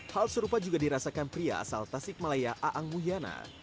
hal serupa juga dirasakan pria asal tasikmalaya aang mulyana